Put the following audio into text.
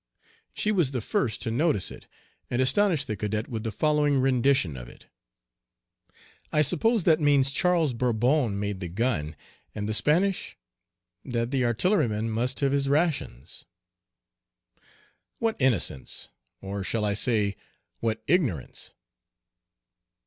She was the first to notice it, and astonished the cadet with the following rendition of it: "I suppose that means Charles Bourbon made the gun, and the Spanish (?) that the artilleryman must have his rations." What innocence! Or shall I say, what ignorance?